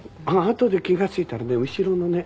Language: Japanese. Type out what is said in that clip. あとで気が付いたらね後ろのね